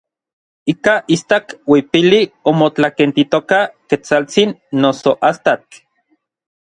Ika istak uipili omotlakentitoka Ketsaltsin noso Astatl.